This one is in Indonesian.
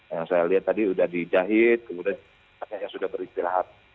yang saya lihat tadi sudah dijahit kemudian banyak yang sudah beristirahat